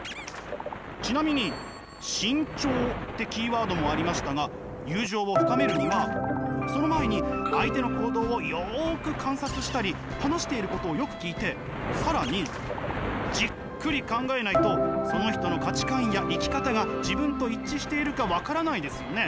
ちなみに「慎重」ってキーワードもありましたが友情を深めるにはその前に相手の行動をよく観察したり話していることをよく聞いて更にじっくり考えないとその人の価値観や生き方が自分と一致しているか分からないですよね？